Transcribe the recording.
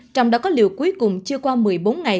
trong đó có liều cuối cùng chưa qua một mươi bốn ngày